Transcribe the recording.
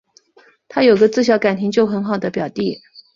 她有个自小感情就很好的表弟